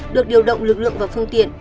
được điều động lực lượng và phương tiện